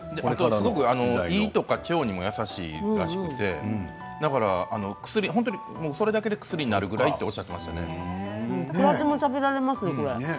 胃や腸にも優しいらしくてそれだけで薬になるぐらいといくらでも食べられますね。